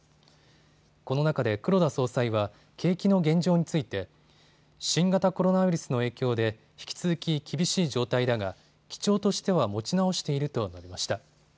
この中で黒田総裁は景気の現状について新型コロナウイルスの影響で引き続き厳しい状態だが基調としては持ち直していると述べました。